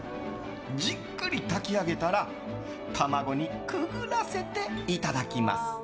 じっくり炊き上げたら卵にくぐらせて、いただきます。